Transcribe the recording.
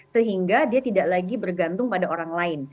sehingga dia tidak lagi bergantung pada orang lain